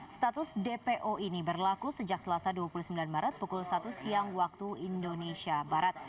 status dpo ini berlaku sejak selasa dua puluh sembilan maret pukul satu siang waktu indonesia barat